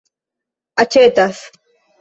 aĉetas